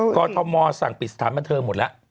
กรทมสั่งปิดสถานบันเทิงหมดแล้ว